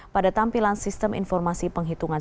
pada tampilan sistem informasi penghitungan